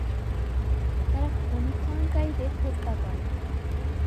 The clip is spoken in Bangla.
তারা খনি-খননকারীদের হত্যা করে।